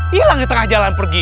hilang di tengah jalan pergi